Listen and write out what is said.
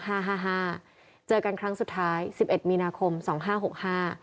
ห้าห้าห้าเจอกันครั้งสุดท้ายสิบเอ็ดมีนาคมสองห้าหกห้า